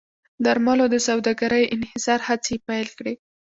درملو د سوداګرۍ انحصار هڅې یې پیل کړې.